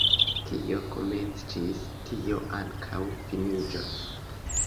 Kio komenciĝis, tio ankaŭ finiĝos.